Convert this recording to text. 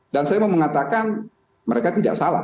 dan saya mau mengatakan mereka tidak salah